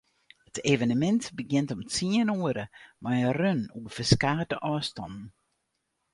It evenemint begjint om tsien oere mei in run oer ferskate ôfstannen.